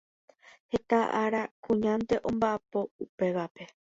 Heta ára kuñánte omba’apo upévape.